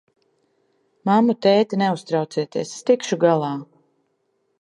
Mammu, tēti, neuztraucieties, es tikšu galā!